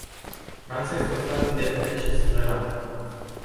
Franța este un stat independent și suveran.